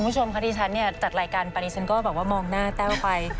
คุณผู้ชมคะที่ฉันจัดรายการปันนี้ฉันก็บอกว่ามองหน้าแต้วไป